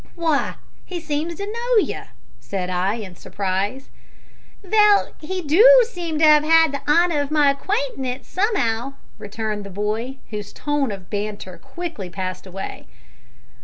"Why, he seems to know you," said I, in surprise. "Vell, he do seem to 'ave 'ad the honour of my acquaintance some'ow," returned the boy, whose tone of banter quickly passed away.